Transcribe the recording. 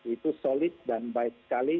itu solid dan baik sekali